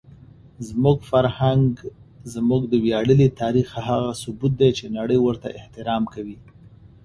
زموږ فرهنګ زموږ د ویاړلي تاریخ هغه ثبوت دی چې نړۍ ورته احترام کوي.